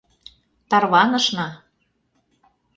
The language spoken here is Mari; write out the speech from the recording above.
Тарванышна.